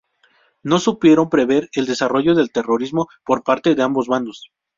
No supieron prever el desarrollo del terrorismo por parte de ambos bandos.